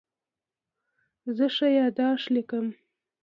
زه ښه یادښت لیکم.